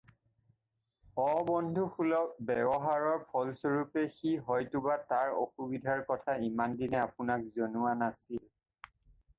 অবন্ধুত্বসুলভ ব্যৱহাৰৰ ফলস্বৰূপেই সি হয়তোবা তাৰ অসুবিধাৰ কথা ইমানদিনে আপোনাক জনোৱা নাছিল।